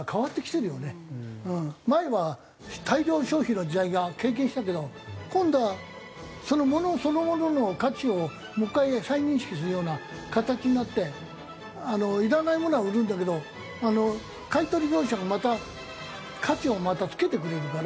前は大量消費の時代が経験したけど今度はそのものそのものの価値をもう１回再認識するような形になっていらないものは売るんだけど買い取り業者がまた価値を付けてくれるから。